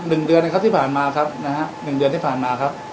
หนึ่งเดือนนะครับที่ผ่านมาครับนะฮะหนึ่งเดือนที่ผ่านมาครับ